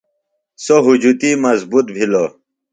سو ہُجتی مضبوط بِھلوۡ۔